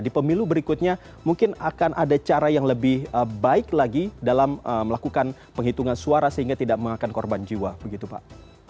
di pemilu berikutnya mungkin akan ada cara yang lebih baik lagi dalam melakukan penghitungan suara sehingga tidak mengakan korban jiwa begitu pak